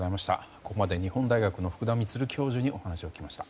ここまで日本大学福田充教授にお話を聞きました。